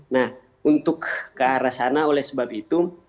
nah untuk ke arah sana oleh sebab itu